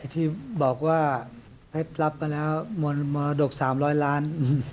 ที่บอกว่าให้รับมาแล้วมรดก๓๐๐ล้าน